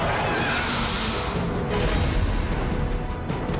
aku akan buktikan